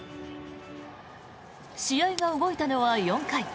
試合が動いたのは４回。